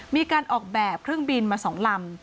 มีการออกแบบเครื่องบินมา๒ลำ